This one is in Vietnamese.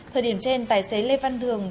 thời điểm trên tài xế lê văn thường